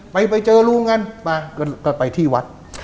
ไปเจอลุงกันมาก็ไปที่วัด